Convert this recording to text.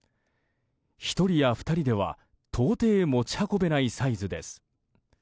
１人や２人では到底、持ち運べないサイズです。